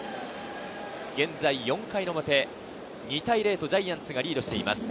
現在４回表、２対０とジャイアンツがリードしています。